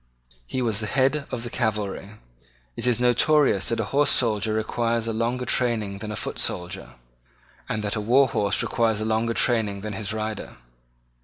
He was at the head of the cavalry. It is notorious that a horse soldier requires a longer training than a foot soldier, and that the war horse requires a longer training than his rider.